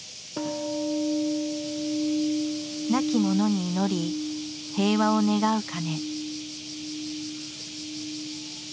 亡き者に祈り平和を願う鐘。